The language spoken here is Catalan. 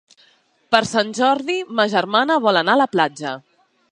Per Sant Jordi ma germana vol anar a la platja.